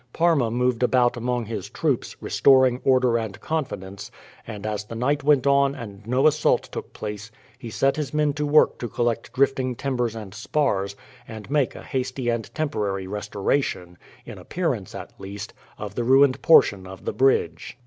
Parma moved about among his troops, restoring order and confidence, and as the night went on and no assault took place he set his men to work to collect drifting timbers and spars, and make a hasty and temporary restoration, in appearance at least, of the ruined portion of the bridge.